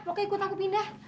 pokoknya ikut aku pindah